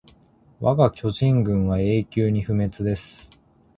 わが巨人軍は永久に不滅です